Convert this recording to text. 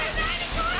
怖い！